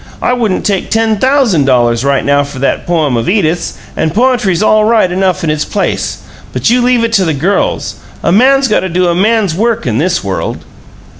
I wouldn't take ten thousand dollars right now for that poem of Edith's; and poetry's all right enough in its place but you leave it to the girls. A man's got to do a man's work in this world!"